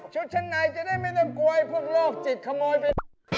ชุดชั้นในจะได้ไม่ต้องกลัวพวกโรคจิตขโมยไป